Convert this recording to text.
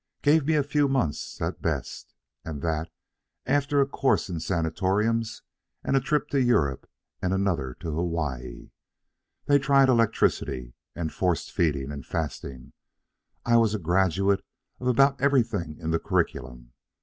Gave me a few months at best, and that, after a course in sanatoriums and a trip to Europe and another to Hawaii. They tried electricity, and forced feeding, and fasting. I was a graduate of about everything in the curriculum.